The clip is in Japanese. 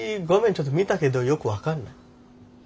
ちょっと見たけどよく分かんない。